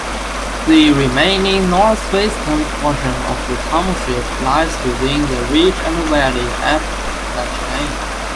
The remaining northwestern portion of the township lies within the Ridge-and-valley Appalachians.